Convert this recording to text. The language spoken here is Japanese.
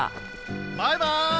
バイバイ！